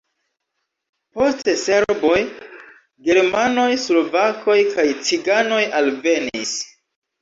Poste serboj, germanoj, slovakoj kaj ciganoj alvenis.